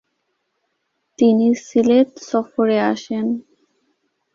তিনি সিলেট সফরে আসেন।